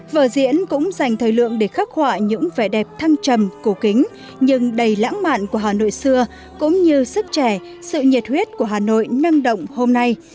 vở diễn cũng dành thời lượng để khắc họa những vẻ đẹp thăng trầm cổ kính nhưng đầy lãng mạn của hà nội xưa cũng như sức trẻ sự nhiệt huyết của hà nội năng động hôm nay